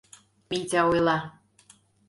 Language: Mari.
Митя ойла: